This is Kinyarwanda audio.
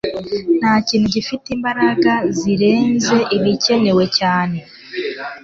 nta kintu gifite imbaraga zirenze ibikenewe cyane